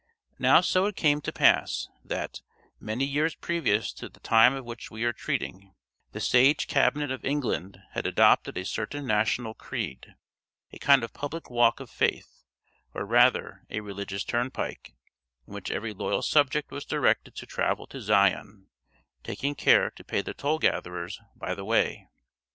Now so it came to pass that, many years previous to the time of which we are treating, the sage Cabinet of England had adopted a certain national creed, a kind of public walk of faith, or rather a religious turnpike, in which every loyal subject was directed to travel to Zion, taking care to pay the toll gatherers by the way.